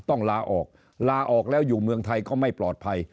ต้องลาออกลาออกแล้วอยู่เมืองไทยก็ไม่ปลอดภัย